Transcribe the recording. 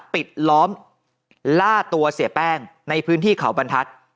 ปิดล้อมล่าตัวเสียแป้งในพื้นที่เขาบรรทัศน์